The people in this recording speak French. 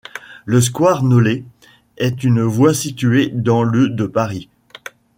Le square Nollet est une voie située dans le de Paris.